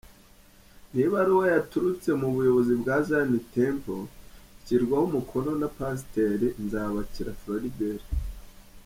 Ni ibaruwa yaturutse mu buyobozi bwa Zion Temple ishyirwaho umukono na Pasiteri Nzabakira Floribert.